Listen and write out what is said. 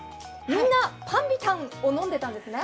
みんなパンビタンを飲んでたんですね。